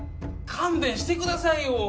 勘弁してくださいよ。